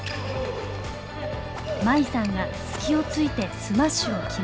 真衣さんが隙をついてスマッシュを決める。